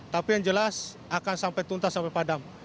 tapi yang jelas akan sampai tuntas sampai padam